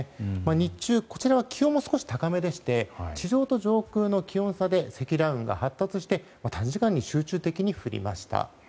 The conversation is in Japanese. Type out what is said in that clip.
日中、こちらは気温も少し高めでして地上と上空の気温差で積乱雲が発達して短時間に集中的に降りました。